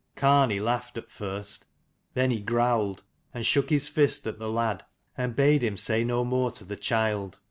Gartnaidh laughed at first ; then he growled, and shook his fist at the lad, and bade him say no more to the child.